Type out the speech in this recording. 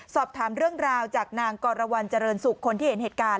สอบถามเรื่องราวจากนางกรวรรณเจริญสุขคนที่เห็นเหตุการณ์